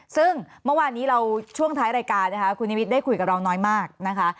ซึ่งเมื่อวานนี้เราช่วงท้ายรายการนะคะคุณนิวิตได้คุยกับเราน้อยมากนะคะ